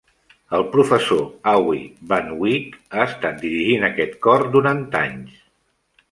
El professor Awie van Wyk ha estat dirigint aquest cor durant anys.